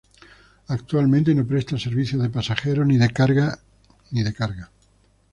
Actualmente, no presta servicios de pasajeros ni de cargas en la actualidad.